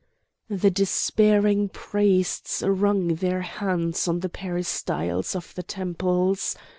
The despairing priests wrung their hands on the peristyles of the temples.